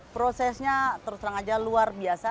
prosesnya terus terang aja luar biasa